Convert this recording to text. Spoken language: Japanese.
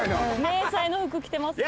迷彩の服着てますね。